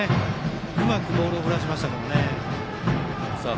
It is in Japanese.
うまくボールを振らせました。